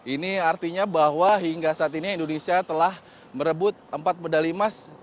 ini artinya bahwa hingga saat ini indonesia telah merebut empat medali emas